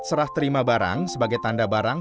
serah terima barang sebagai tanda barang